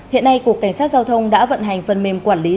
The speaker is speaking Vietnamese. hiện nay cục cảnh sát giao thông đã vận hành phần mềm quản lý